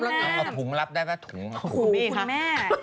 เอาถุงรับได้ป่ะ